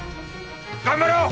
頑張ろう！